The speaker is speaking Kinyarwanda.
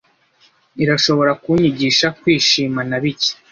Irashobora kunyigisha kwishima na bike.